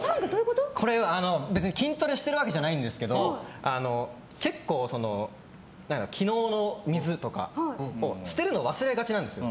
これは別に筋トレしてるわけじゃないんですけど結構、昨日の水とかを捨てるのを忘れがちなんですよ。